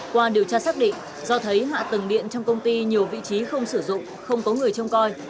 qua điều tra xác định do thấy hạ tầng điện trong công ty nhiều vị trí không sử dụng không có người trông coi